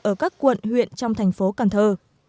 ở các quận huyện trong thành phố cần thơ